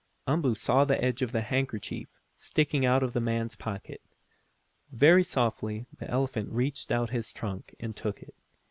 Umboo saw the edge of the handkerchief sticking out of the man's pocket. Very softly the elephant reached put his trunk and took it.